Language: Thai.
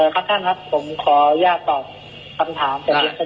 ครับท่านครับผมขออนุญาตตอบคำถาม